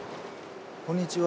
こんにちは。